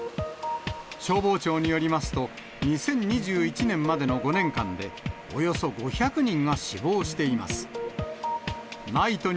消防庁によりますと、２０２１年までの５年間で、およそ５００人が死亡しています。